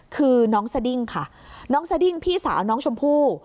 คือน้องสดิ้งค่ะน้องสดิ้งพี่สาวน้องชมพู่